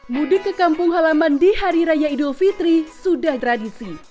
mudik ke kampung halaman di hari raya idul fitri sudah tradisi